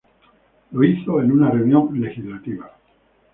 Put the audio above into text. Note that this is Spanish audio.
Lo hizo en una reunión legislativa.